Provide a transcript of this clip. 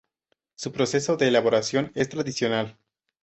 Su proceso de elaboración es tradicional.